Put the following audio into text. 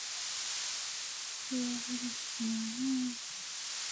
Sio vizuri shughuli hizi zije zifanywe na watu kutoka nje